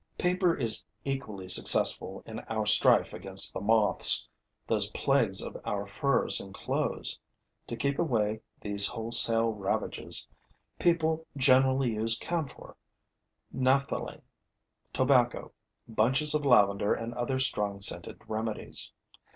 Paper is equally successful in our strife against the Moths, those plagues of our furs and clothes. To keep away these wholesale ravages, people generally use camphor, naphthalene, tobacco, bunches of lavender and other strong scented remedies.